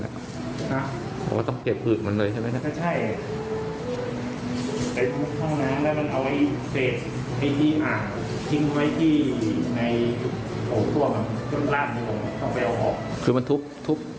อันนี้ก็แล้วก็ถูกไหลมันก็จะต้องเอาอีกห้องขึ้นมาขอบ